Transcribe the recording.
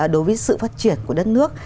đối với sự phát triển của đất nước